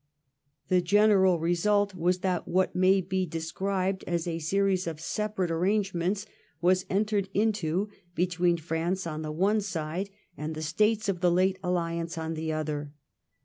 The general result was that what may be described as a series of separate arrangements was entered into between France on the one side and the States of the late Alliance on the other.